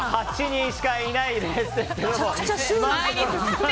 ８人しかいないんですが。